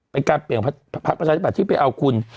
ไปการเปลี่ยนของพัฒนประชาธิบัทที่ไปเอาคุณ